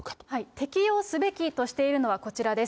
適用すべきとしているのはこちらです。